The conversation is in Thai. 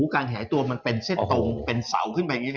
การขยายตัวมันเป็นเซ็ตตรงเป็นเสาขึ้นไปเลย